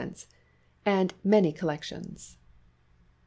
and many col lections.